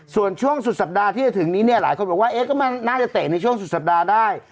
ส่วนช่วงสุดสัปดาห์ที่จะถึงนี้เนี่ยหลายคนบอกว่าเอ๊ะก็น่าจะเตะในช่วงสุดสัปดาห์ได้